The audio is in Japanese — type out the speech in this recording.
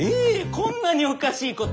こんなにおかしいこと。